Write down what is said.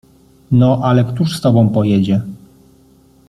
No, ale któż z tobą pojedzie?